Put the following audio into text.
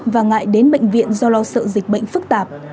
và ngại đến bệnh viện do lo sợ dịch bệnh phức tạp